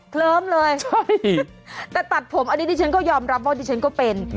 เคลิ้มเลยแต่ตัดผมอันนี้ดิฉันก็ยอมรับว่าดิฉันก็เป็น